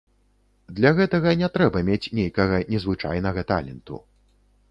Для гэтага не трэба мець нейкага незвычайнага таленту.